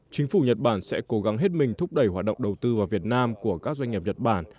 chính phủ nhật bản sẽ cố gắng hết mình thúc đẩy hoạt động đầu tư vào việt nam của các doanh nghiệp nhật bản